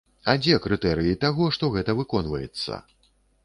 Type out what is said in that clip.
А дзе крытэрыі таго, што гэта выконваецца?